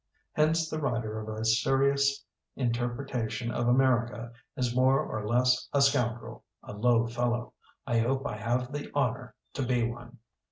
Hence the writer of a seri ous interpretation of America is more or less a scoundrel, a low fellow. I hope I have the honor to be one.